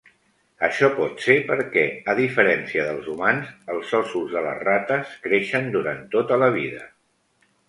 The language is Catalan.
Això pot ser perquè a diferència dels humans, els ossos de les rates creixen durant tota la vida.